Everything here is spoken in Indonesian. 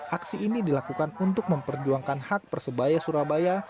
aksi ini dilakukan untuk memperjuangkan hak persebaya surabaya